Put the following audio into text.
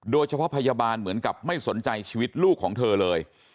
โดยเฉพาะพยาบาลเหมือนกับไม่สนใจชีวิตลูกของเธอเลย